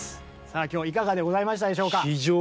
今日いかがでございましたでしょうか？